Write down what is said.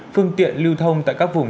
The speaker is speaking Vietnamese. phương tiện lưu thông tại các vùng